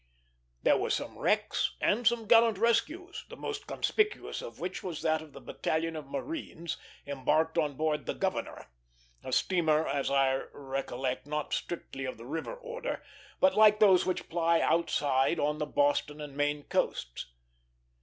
There were some wrecks and some gallant rescues, the most conspicuous of which was that of the battalion of marines, embarked on board the Governor; a steamer, as I recollect, not strictly of the river order, but like those which ply outside on the Boston and Maine coast.